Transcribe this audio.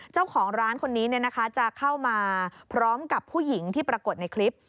เจ้าของร้านคนนี้จะเข้ามาพร้อมกับผู้หญิงที่ปรากฏในคลิป